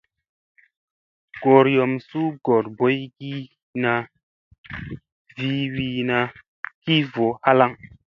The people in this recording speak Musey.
Gooryom suu goor boygina vi wiina ki voo halaŋ.